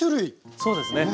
そうですね。